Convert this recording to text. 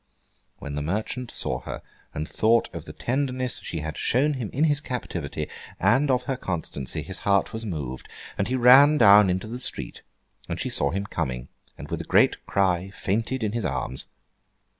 When the merchant saw her, and thought of the tenderness she had shown him in his captivity, and of her constancy, his heart was moved, and he ran down into the street; and she saw him coming, and with a great cry fainted in his arms.